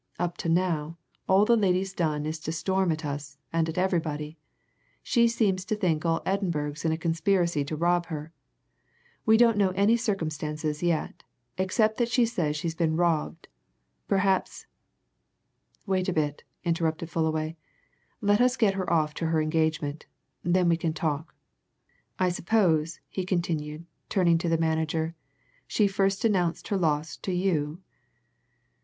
Up to now, all the lady's done is to storm at us and at everybody she seems to think all Edinburgh's in a conspiracy to rob her! We don't know any circumstances yet, except that she says she's been robbed. Perhaps " "Wait a bit," interrupted Fullaway. "Let us get her off to her engagement. Then we can talk. I suppose," he continued, turning to the manager, "she first announced her loss to you?"